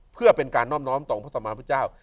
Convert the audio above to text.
เพื่อเป็นการน้อมน้อมต่อของพระสัมมาทพเจ้า